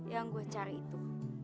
yang gua cari itu